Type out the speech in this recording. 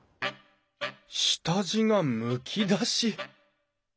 下地がむき出し